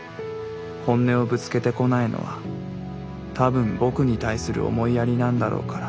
本音をぶつけてこないのは多分僕に対する思いやりなんだろうから。